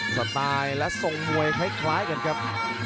สไตล์และทรงมวยคล้ายกันครับ